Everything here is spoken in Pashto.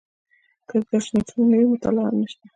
که د درس نوټونه نه وي مطالعه هم نشته.